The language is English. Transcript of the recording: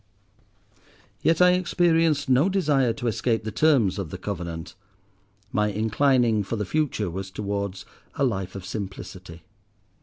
Yet I experienced no desire to escape the terms of the covenant; my inclining for the future was towards a life of simplicity.